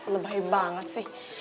lo bahaya banget sih